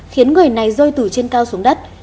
khiến người này rơi từ trên cao xuống đất